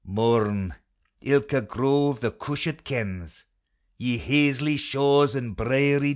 Mourn, ilka grove the cushat kens! Ye hazelly shaws and briery dens!